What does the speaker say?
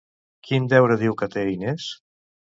Quin deure diu que té Inés?